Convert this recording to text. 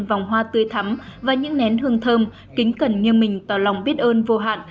vòng hoa tươi thắm và những nén hương thơm kính cẩn như mình tỏ lòng biết ơn vô hạn